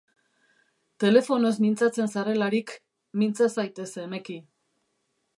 Telefonoz mintzatzen zarelarik, mintza zaitez emeki.